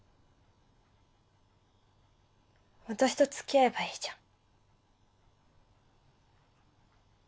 私とつきあえばいいじゃん。